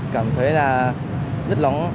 cảm thấy là rất nóng